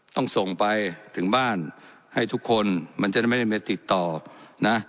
ต้องส่งไปถึงบ้านให้ทุกคนมันจะได้ไม่ได้ติดต่อนะ